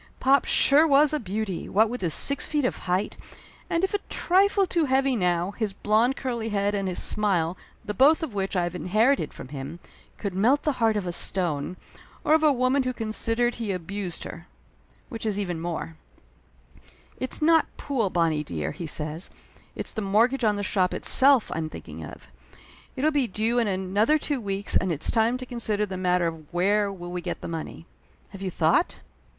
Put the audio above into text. Pop sure was a beauty, what with his six feet of height, and if a trifle too heavy now, his blond curly head and his smile, the both of which I have inherited from him, could melt the heart of a stone, or of a woman who considered he abused her. Which is even more. "It's not pool, Bonnie dear," he says. "It's the mortgage on the shop itself I'm thinking of. It'll be due in another two weeks and it's time to consider the 40 Laughter Limited matter of where will we get the money. Have you thought?"